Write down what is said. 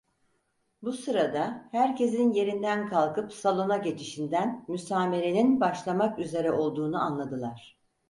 Bu sırada, herkesin yerinden kalkıp salona geçişinden müsamerenin başlamak üzere olduğunu anladılar.